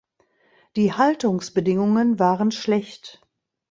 Die Haltungsbedingungen waren schlecht.